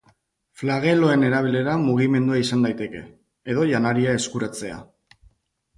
Flageloen erabilera mugimendua izan daiteke, edo janaria eskuratzea.